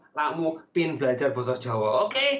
kalau kamu mau belajar bahasa jawa oke